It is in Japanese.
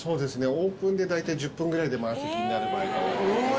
オープンで大体、１０分ぐらいで満席になる場合が多いですね。